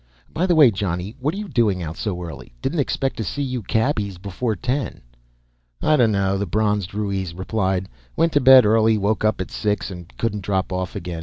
"By the way, Johnny, what're you doing out so early? Didn't expect to see you cabbies before ten." "I donno," the bronzed Ruiz replied. "Went to bed early, woke up at six and couldn't drop off again.